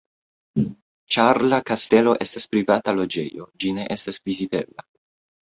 Ĉar la kastelo estas privata loĝejo, ĝi ne estas vizitebla.